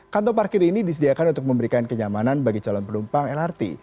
kantong parkir ini disediakan untuk memberikan kenyamanan bagi calon penumpang lrt